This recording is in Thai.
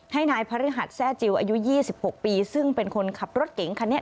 ให้นายพระฤหัสแทร่จิลอายุ๒๖ปีซึ่งเป็นคนขับรถเก๋งคันนี้